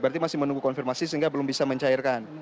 berarti masih menunggu konfirmasi sehingga belum bisa mencairkan